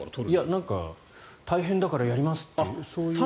なんか大変だからやりますって。